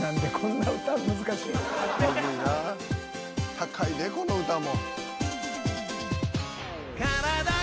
高いでこの歌も。